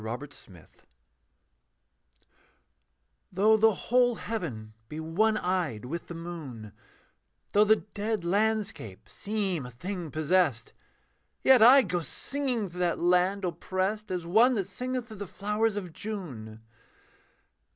THE END OF FEAR Though the whole heaven be one eyed with the moon, Though the dead landscape seem a thing possessed, Yet I go singing through that land oppressed As one that singeth through the flowers of June.